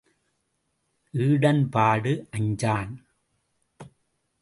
Eden பாடு அஞ்சான்?